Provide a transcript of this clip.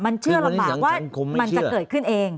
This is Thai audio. มันเชื่อลำบากว่ามันจะเกิดขึ้นเอง